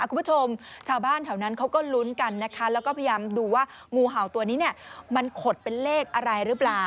คุณผู้ชมชาวบ้านแถวนั้นเขาก็ลุ้นกันนะคะแล้วก็พยายามดูว่างูเห่าตัวนี้เนี่ยมันขดเป็นเลขอะไรหรือเปล่า